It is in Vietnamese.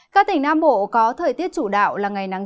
các tỉnh nam bộ có thời tiết chủ đạo là ngày nắng